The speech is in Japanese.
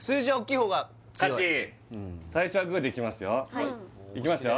最初はグーでいきますよいきますよ